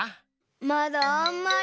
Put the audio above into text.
まだあんまり。